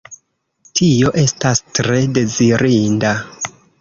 Tio estas tre dezirinda.